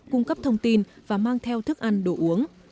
cung cấp thông tin và mang theo thức ăn đồ uống